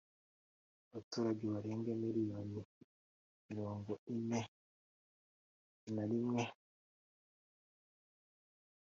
abaturage barenga miliyoni mirongo ine na rimwe